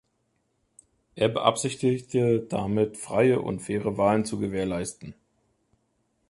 Er beabsichtigte damit "„freie und faire“" Wahlen zu gewährleisten.